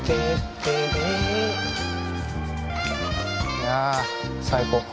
いや最高。